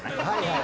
「はい。